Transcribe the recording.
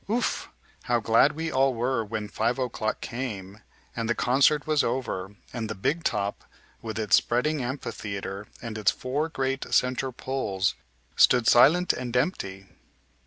Ouf! How glad we all were when five o'clock came, and the concert was over, and the "big top," with its spreading amphitheater and its four great center poles, stood silent and empty!